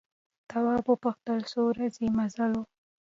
تواب وپوښتل څو ورځې مزل و.